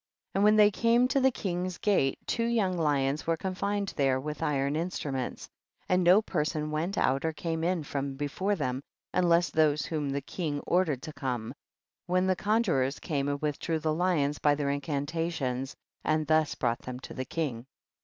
21. And when they came to the king's gate, two young lions were confined there with iron instruments, and no person went out or came in from before them, unless those whom the king ordered to come, when the conjurors came and withdrew the lions by their incantations, and thiis brought them to the king.